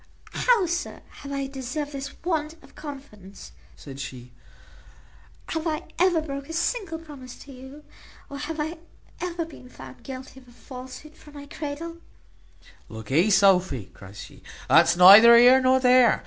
"How, sir, have I deserved this want of confidence?" said she; "have I ever broke a single promise to you? or have I ever been found guilty of a falsehood from my cradle?" "Lookee, Sophy," cries he; "that's neither here nor there.